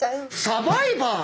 サバイバー！